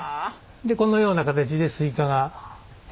でこのような形でスイカが。